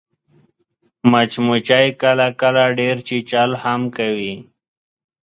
مچمچۍ کله کله ډېر چیچل هم کوي